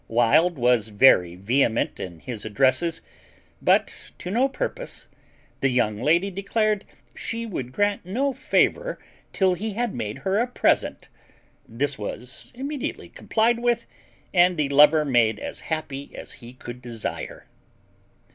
Wild was very vehement in his addresses, but to no purpose; the young lady declared she would grant no favour till he had made her a present; this was immediately complied with, and the lover made as happy as he could desire.